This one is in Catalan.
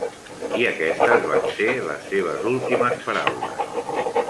I aquestes van ser les seves últimes paraules.